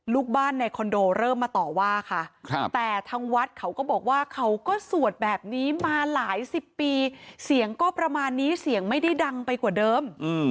ลูกบ้านในคอนโดเริ่มมาต่อว่าค่ะแต่ทางวัดเขาก็บอกว่าเขาก็สวดแบบนี้มาหลายสิบปีเสียงก็ประมาณนี้เสียงไม่ได้ดังไปกว่าเดิม